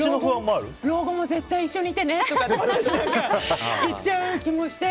老後も絶対一緒にいてねとか言っちゃう気もして。